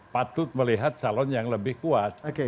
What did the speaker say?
patut melihat calon yang lebih kuat